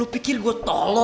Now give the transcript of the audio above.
abis itu masuk kalau